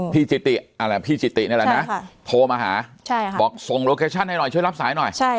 พี่จิตติพี่จิตติที่นไหวนะโทรมาหาบอกส่งโลเกชชั่นให้หน่อยหรือรับสายหน่อย